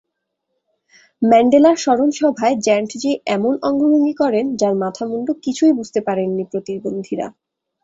ম্যান্ডেলার স্মরণসভায় জ্যান্টজি এমন অঙ্গভঙ্গি করেন, যার মাথামুণ্ড কিছুই বুঝতে পারেননি প্রতিবন্ধীরা।